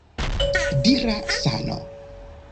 Dira Sano!